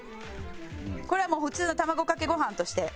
これはもう普通の卵かけご飯として。